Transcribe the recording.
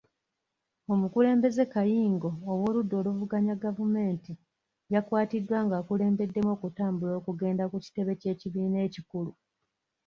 Omukulembeze kayingo ow'oludda oluvuganya gavumenti yakwatiddwa ng'akulembeddemu okutambula okugenda ku kitebe ky'ekibiina ekikulu.